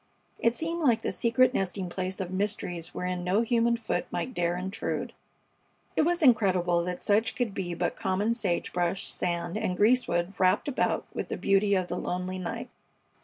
It seemed like the secret nesting place of mysteries wherein no human foot might dare intrude. It was incredible that such could be but common sage brush, sand, and greasewood wrapped about with the beauty of the lonely night.